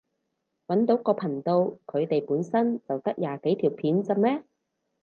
搵到個頻道，佢哋本身就得廿幾條片咋咩？